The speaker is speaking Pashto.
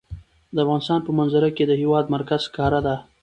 د افغانستان په منظره کې د هېواد مرکز ښکاره ده.